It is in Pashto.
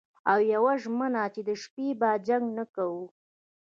او یوه ژمنه چې د شپې به جنګ نه کوئ